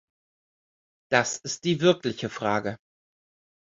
Das ist die wirkliche Frage.